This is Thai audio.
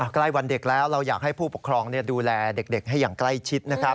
ใกล้วันเด็กแล้วเราอยากให้ผู้ปกครองดูแลเด็กให้อย่างใกล้ชิดนะครับ